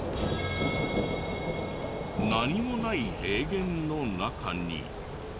何もない平原の中に。